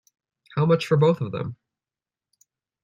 How much for both of them!